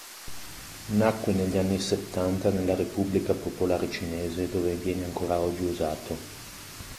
Nacque negli anni settanta nella Repubblica Popolare Cinese, dove viene ancora oggi usato.